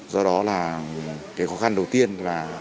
do đó là cái khó khăn đầu tiên là